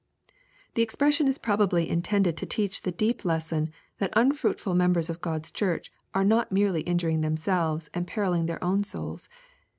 The expression is probably intended to teach the deep lesson, that unfruitful members of Q od's church are not merely injuring themselves and perilling their own souls.